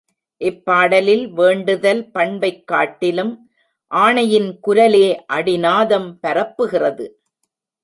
இப்பாடலில் வேண்டுதல் பண்பைக் காட்டிலும், ஆணையின் குரலே அடிநாதம் பரப்புகிறது.